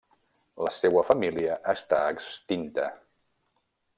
La seua família està extinta.